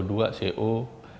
jadi itu adalah yang terakhir